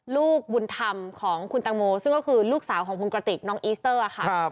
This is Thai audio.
ลูกบุญธรรมของคุณตังโมซึ่งก็คือลูกสาวของคุณกระติกน้องอีสเตอร์ค่ะ